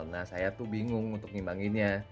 nah saya tuh bingung untuk ngimbanginnya